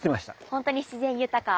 本当に自然豊か。